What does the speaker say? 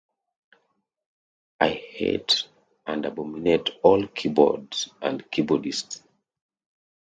I hate and abominate all keyboards and keyboardists.